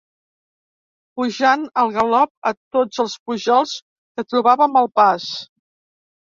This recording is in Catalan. Pujant al galop a tots els pujols que trobàvem al pas